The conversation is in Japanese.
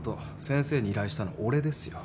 先生に依頼したの俺ですよ。